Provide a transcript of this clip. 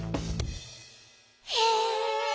へえ。